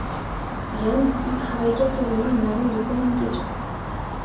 Rennes, il travaille quelques années en agence de communication.